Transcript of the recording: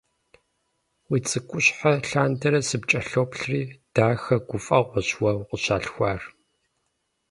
Уи цӀыкӀущхьэ лъандэрэ сыпкӀэлъоплъри, дахэ, гуфӀэгъуэщ уэ укъыщӀалъхуар.